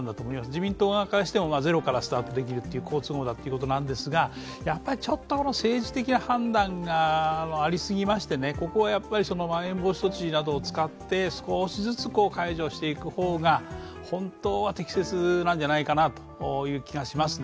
自民党側からしてもゼロからスタートできる好都合ということですがやはりちょっと政治的判断がありすぎまして、ここはまん延防措置などを使って少しずつ解除していく方が本当は適切なんじゃないかという気がします。